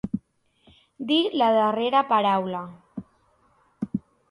Dir la darrera paraula.